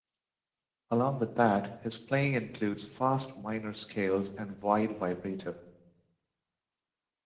Along with that, his playing includes fast minor scales and wide vibrato.